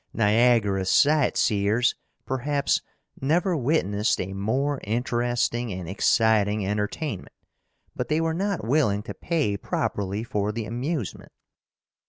Niagara sight seers, perhaps, never witnessed a more interesting and exciting entertainment, but they were not willing to pay properly for the amusement.